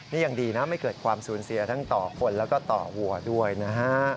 นี่ยังดีนะไม่เกิดความสูญเสียทั้งต่อคนแล้วก็ต่อวัวด้วยนะฮะ